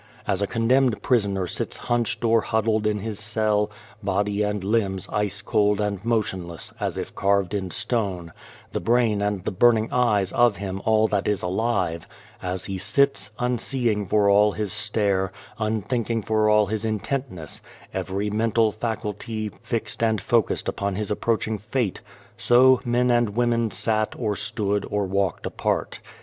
As a condemned prisoner sits hunched or huddled in his cell, body and limbs ice cold and motionless, as if carved in stone ; the brain and the burning eyes of him all that is alive ; as he sits, unseeing for all his stare, unthinking for all his intentness, every mental faculty fixed and focussed upon his approaching fate, so men and women sat or stood or walked apart.